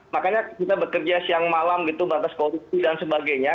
makanya kita bekerja siang malam gitu batas korupsi dan sebagainya